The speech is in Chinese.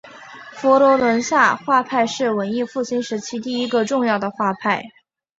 佛罗伦萨画派是文艺复兴时期第一个重要的画派。